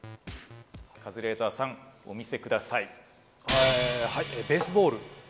カズレーザーさんお見せください。